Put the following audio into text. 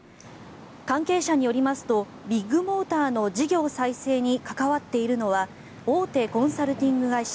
関係者によりますとビッグモーターの事業再生に関わっているのは大手コンサルティング会社